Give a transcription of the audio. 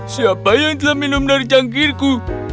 siapa yang telah minum dari cangkirku